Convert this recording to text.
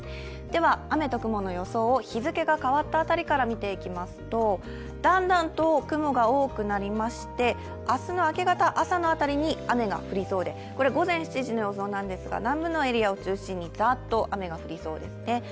では、雨と雲の様子を日付が変わった辺りから見ていきますと、だんだんと雲が多くなりまして、明日の明け方、朝の辺りに雨が降りそうで、これ午前７時の予想なんですが、南部のエリアでザッと降りそうです。